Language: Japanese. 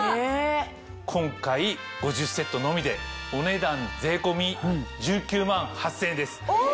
今回５０セットのみでお値段税込み１９万８０００円です。